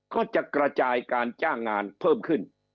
ก็จะกระจายการจ้างงานเพิ่มขึ้น